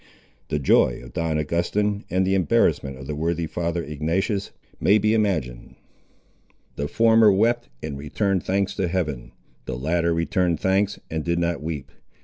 The joy of Don Augustin, and the embarrassment of the worthy father Ignatius, may be imagined. The former wept and returned thanks to Heaven; the latter returned thanks, and did not weep.